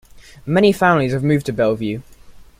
Mainly families have moved to Bellevue.